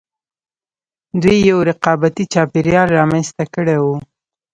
دوی یو رقابتي چاپېریال رامنځته کړی و